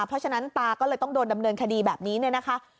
เพราะฉะนั้นตาก็เลยต้องโดนดำเนินคดีแบบนี้เนี่ยนะคะ